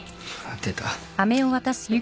出た。